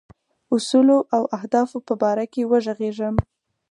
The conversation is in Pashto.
اصولو او اهدافو په باره کې وږغېږم.